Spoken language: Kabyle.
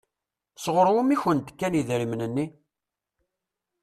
Sɣur wumi i kent-d-kan idrimen-nni?